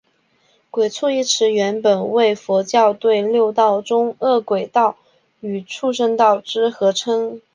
鬼畜一词原本为佛教对六道中饿鬼道与畜生道之合称。